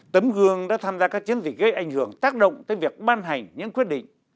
tấm gương đã tham gia các chiến dịch gây ảnh hưởng tác động tới việc ban hành những quyết định